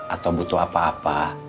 atau butuh apa apa